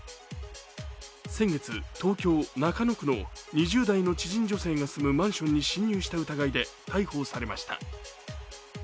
先月、東京・中野区の２０代の知人女性が住むマンションに侵入した疑いで逮捕されました。